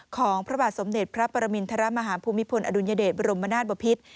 ของพระบาทสมเด็จพระปรมินทรมาฮาภูมิพลอดุลยเดชบรมนาศบพิษ